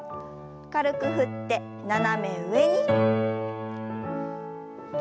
軽く振って斜め上に。